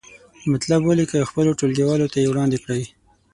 مطلب ولیکئ او خپلو ټولګیوالو ته یې وړاندې کړئ.